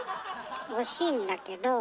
惜しいんだけど。